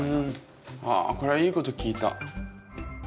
あこれはいいこと聞いた。